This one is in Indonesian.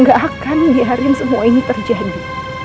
gak akan biarin semua ini terjadi